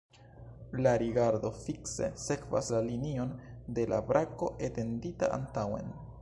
La rigardo fikse sekvas la linion de la brako etendita antaŭen.